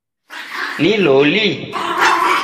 Ni loli ?